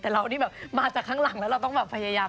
แต่เรานี่แบบมาจากข้างหลังแล้วเราต้องแบบพยายาม